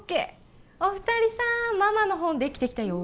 お二人さーんママの本できてきたよ